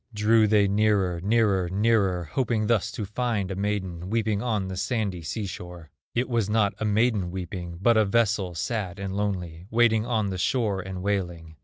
Drew they nearer, nearer, nearer, Hoping thus to find a maiden Weeping on the sandy sea shore. It was not a maiden weeping, But a vessel, sad, and lonely, Waiting on the shore and wailing.